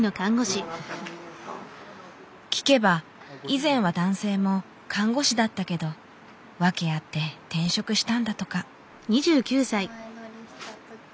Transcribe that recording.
聞けば以前は男性も看護師だったけど訳あって転職したんだとか。